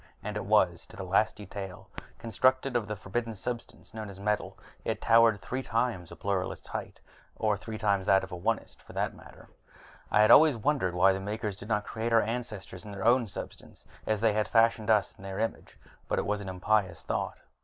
And it was, to the last detail. Constructed of the forbidden substance known as metal, it towered three times a Pluralist's height, or three times an Onist's, for that matter. I have always wondered why the Makers did not create our ancestors in their own substance, as they had fashioned us in their image. But that is an impious thought.